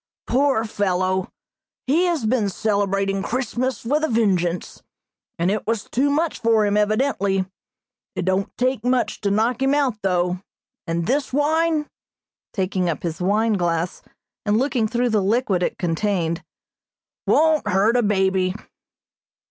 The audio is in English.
"Poor fellow, he has been celebrating Christmas with a vengeance, and it was too much for him, evidently. It don't take much to knock him out, though, and this wine," taking up his wine glass and looking through the liquid it contained, "won't hurt a baby."